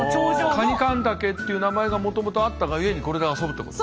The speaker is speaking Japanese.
カニカン岳っていう名前がもともとあったがゆえにこれで遊ぶってこと？